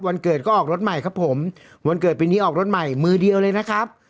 วันเกิดก็ออกรถใหม่ครับผมวันเกิดปีนี้ออกรถใหม่มือเดียวเลยนะครับ